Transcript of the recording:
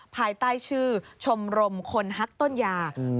ภายใต้ชื่อชมรมคนฮักต้นยา